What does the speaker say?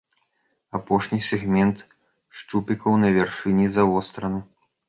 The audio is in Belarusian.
Апошні сегмент шчупікаў на вяршыні завостраны.